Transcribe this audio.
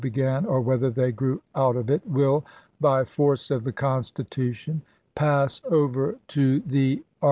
ylc began, or whether they grew out of it, will, by offoretS?r force of the Constitution, pass over to the ar pp.